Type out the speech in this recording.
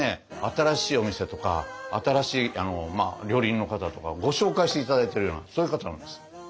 新しいお店とか新しい料理人の方とかご紹介して頂いているようなそういう方なんです。